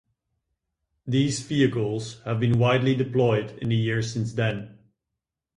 These vehicles have been widely deployed in the years since then.